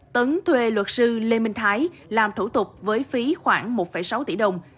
tấn thuê luật sư lê minh thái làm thủ tục với phí khoảng một sáu tỷ đồng